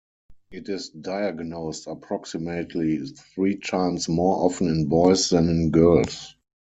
It is diagnosed approximately three times more often in boys than in girls.